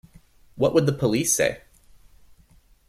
What would the police say?